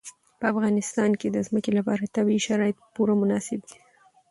په افغانستان کې د ځمکه لپاره طبیعي شرایط پوره مناسب دي.